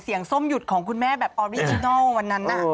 ส้มหยุดของคุณแม่แบบออริจินัลวันนั้น